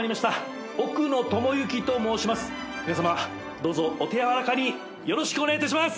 どうぞお手柔らかによろしくお願いいたします。